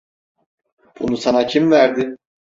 Bunu sana kim verdi?